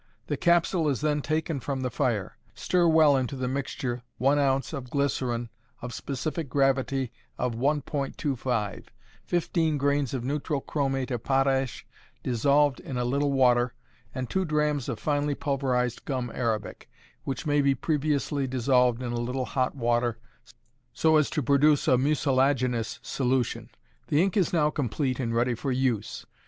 The capsule is then taken from the fire. Stir well into the mixture one ounce of glycerine of specific gravity of 1.25, fifteen grains of neutral chromate of potash, dissolved in a little water, and two drachms of finely pulverized gum arabic, which may be previously dissolved in a little hot water so as to produce a mucilaginous solution. The ink is now complete and ready for use.